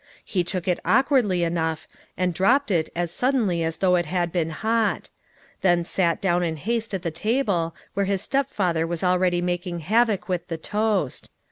He took it awkwardly enough, and dropped it as suddenly as though it had been hot ; then sat down in haste at the table, where his step father was already making havoc with the toast.